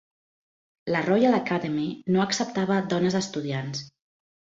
La Royal Academy no acceptava dones estudiants.